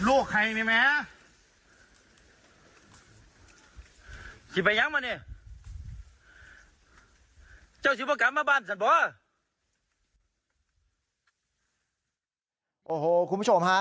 โอ้โหคุณผู้ชมฮะ